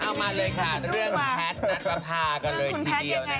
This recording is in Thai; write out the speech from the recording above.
เอามาเลยค่ะเรื่องแพทย์นัทประพากันเลยทีเดียวนะคะ